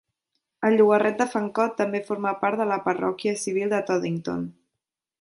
El llogarret de Fancott també forma part de la parròquia civil de Toddington.